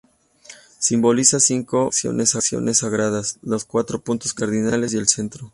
Simboliza cinco direcciones sagradas: los cuatro puntos cardinales y el centro.